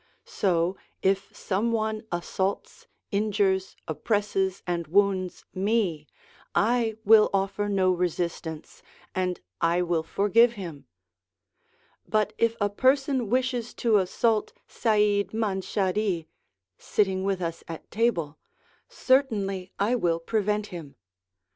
So, if some one assaults, injures, oppresses, and wounds me, I will offer no resistance, and I will forgive him. But if a person wishes to assault Sayyid Manshadi, 1 certainly I will prevent him.